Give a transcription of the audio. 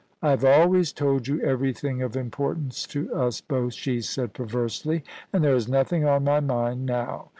* I have always told you everything of importance to us both,' she said perversely, * and there is nothing on my mind now.